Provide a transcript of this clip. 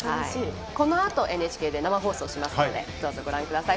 このあとＮＨＫで生放送しますのでどうぞご覧ください。